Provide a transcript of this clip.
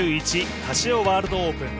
カシオワールドオープン。